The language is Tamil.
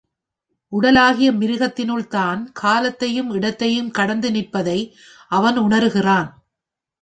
உடலாகிய மிருகத்தினுள் தான் காலத்தையும் இடத்தையும் கடந்து நிற்பதை அவன் உணர்கிறான்.